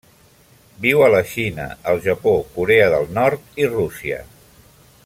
Viu a la Xina, el Japó, Corea del Nord i Rússia.